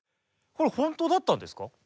これ本当だったんですか？